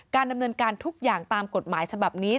ดำเนินการทุกอย่างตามกฎหมายฉบับนี้